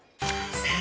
［さあ